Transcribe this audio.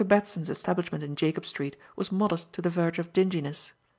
Batson's establishment in Jacob Street was modest to the verge of dinginess.